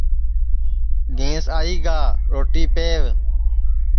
گینٚس آئی گا روٹی پہو